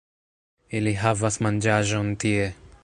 Ili havas manĝaĵon tie